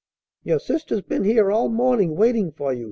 "Your sister's been here all morning waiting for you!"